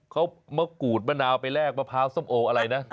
เขามะกรูดมะนาวไปแลกมะพร้าวส้มโออะไรนะ